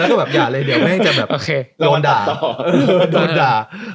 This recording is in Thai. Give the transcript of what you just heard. แล้วก็แบบอย่าเลยเดี๋ยวแม่งจะโดนด่า